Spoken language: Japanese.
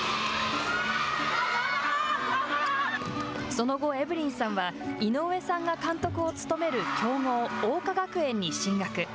その後、エブリンさんは井上さんが監督を務める強豪・桜花学園に進学。